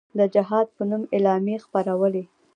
د جهاد په نوم اعلامیې خپرولې.